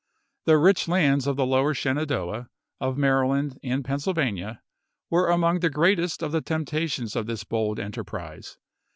The rich ch. viii. lands of the Lower Shenandoah, of Maryland, and Pennsylvania, were among the greatest of the temptations of this bold enterprise.